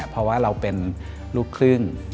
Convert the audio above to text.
เพราะว่าเราเป็นลูกครึ่ง